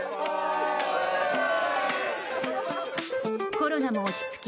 コロナも落ち着き